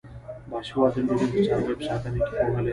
باسواده نجونې د څارویو په ساتنه کې پوهه لري.